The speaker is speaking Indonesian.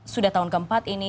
sudah tahun keempat ini